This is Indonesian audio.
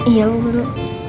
iya bu guru